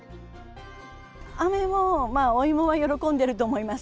雨は、お芋は喜んでいると思います。